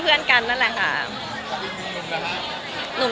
ก็เลยเอาข้าวเหนียวมะม่วงมาปากเทียน